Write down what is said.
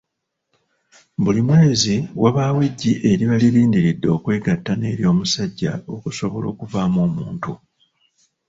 Buli mwezi wabaawo eggi eriba lirindiridde okwegatta ne ery'omusajja okusobola okuvaamu omuntu.